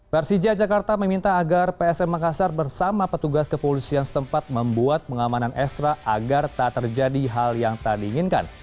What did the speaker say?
persija jakarta meminta agar psm makassar bersama petugas kepolisian setempat membuat pengamanan ekstra agar tak terjadi hal yang tak diinginkan